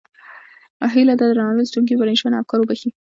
هیله ده درانه لوستونکي مې پرېشانه افکار وبښي.